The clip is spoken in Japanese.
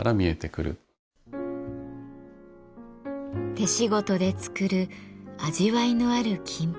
手仕事で作る味わいのある金粉。